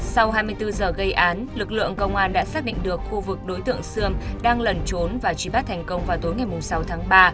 sau hai mươi bốn giờ gây án lực lượng công an đã xác định được khu vực đối tượng sương đang lẩn trốn và trí bắt thành công vào tối ngày sáu tháng ba